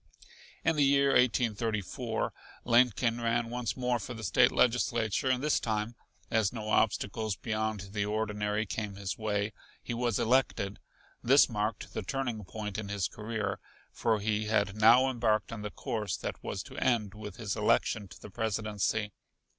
In the year 1834, Lincoln ran once more for the State Legislature, and this time, as no obstacles beyond the ordinary came his way, he was elected. This marked the turning point in his career, for he had now embarked on the course that was to end with his election to the Presidency.